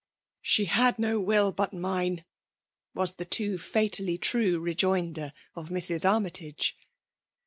" She had no will but mine r~was the tM &tally true rejoinder of Mrs. Armytage.